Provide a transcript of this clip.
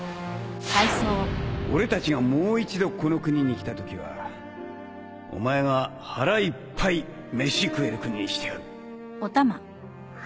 俺たちがもう一度この国に来たときはお前が腹いっぱい飯食える国にしてやる